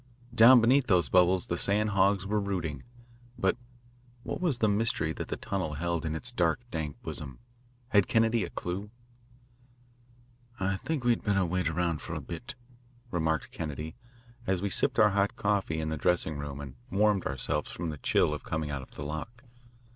Down beneath those bubbles the sand hogs were rooting. But what was the mystery that the tunnel held in its dark, dank bosom? Had Kennedy a clue? "I think we had better wait around a bit," remarked Kennedy, as we sipped our hot coffee in the dressing room and warmed ourselves from the chill of coming out of the lock.